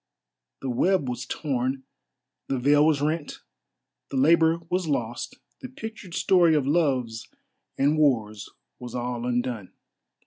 The web was torn, the veil was rent, the labour was lost, the pictured story of loves and wars was all undone.